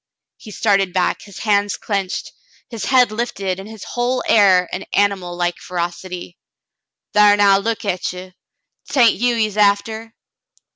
He started back, his hands clinched, his head lifted, in his whole air an animal like ferocity. "Thar now, look at ye. 'Tain't you he's after."